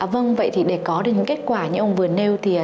vâng vậy thì để có được những kết quả như ông vừa nêu thì